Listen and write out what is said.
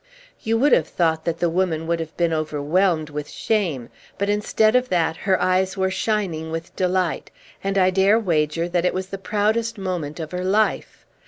You would have thought that the woman would have been overwhelmed with shame, but instead of that her eyes were shining with delight; and I dare wager that it was the proudest moment of her life.